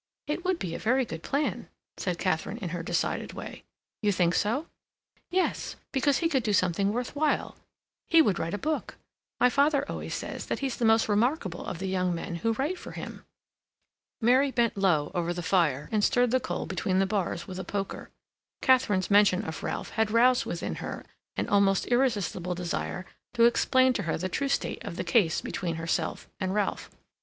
"It would be a very good plan," said Katharine in her decided way. "You think so?" "Yes, because he would do something worth while; he would write a book. My father always says that he's the most remarkable of the young men who write for him." Mary bent low over the fire and stirred the coal between the bars with a poker. Katharine's mention of Ralph had roused within her an almost irresistible desire to explain to her the true state of the case between herself and Ralph.